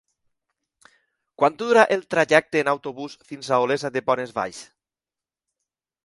Quant dura el trajecte en autobús fins a Olesa de Bonesvalls?